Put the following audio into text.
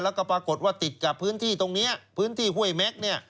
แล้วก็ปรากฏว่าติดกับพื้นที่ตรงนี้พื้นที่ห้วยแม็กซ์เนี่ย